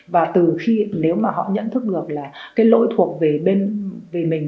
và từ khi nếu mà họ nhận thức được là cái lỗi thuộc về bên về mình